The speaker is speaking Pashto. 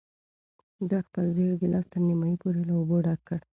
ده خپل زېړ ګیلاس تر نیمايي پورې له اوبو ډک کړ.